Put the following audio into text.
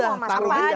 ya udah taruh gitu ya